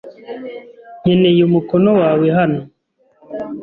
Nkeneye umukono wawe hano.